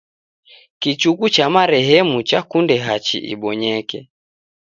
Kichuku cha marehemu chakunde hachi ibonyeke.